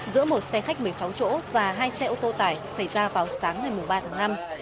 giữa một xe khách một mươi sáu chỗ và hai xe ô tô tải xảy ra vào sáng ngày ba tháng năm